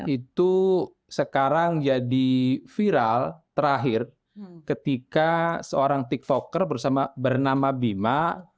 itu sekarang jadi viral terakhir ketika seorang tiktoker bernama bima